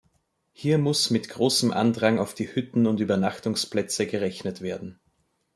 Hier muss mit großem Andrang auf die Hütten und Übernachtungsplätze gerechnet werden.